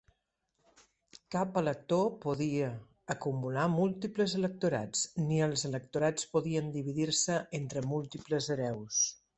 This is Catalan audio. Cap Elector podia acumular múltiples Electorats, ni els Electorats podien dividir-se entre múltiples hereus.